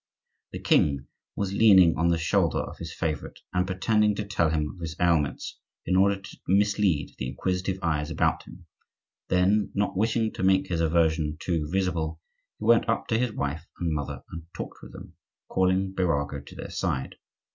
The king was leaning on the shoulder of his old favorite, and pretending to tell him of his ailments, in order to mislead the inquisitive eyes about him; then, not wishing to make his aversion too visible, he went up to his wife and mother and talked with them, calling Birago to their side.